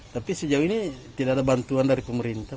tapi sejauh ini tidak ada bantuan dari pemerintah